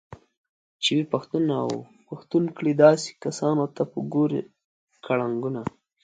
چې وي پښتون اوپښتونكړي داسې كسانوته به ګورې كړنګونه